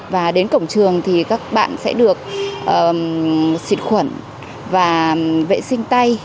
và đến cổng trường thì các bạn sẽ được xịt khuẩn và vệ sinh tay